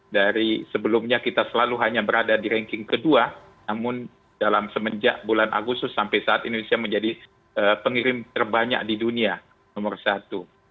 dari sebelumnya kita selalu hanya berada di ranking kedua namun dalam semenjak bulan agustus sampai saat indonesia menjadi pengirim terbanyak di dunia nomor satu